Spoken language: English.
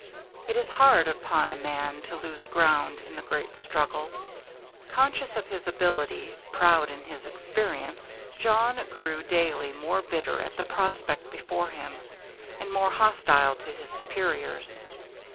It is hard upon a man to lose ground in the great struggle. Conscious of his ability, proud in his experience, Jawn grew daily more bitter at the prospect before him, and more hostile to his superiors.